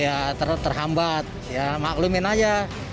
ya terhambat ya maklumin aja